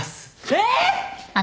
えっ！？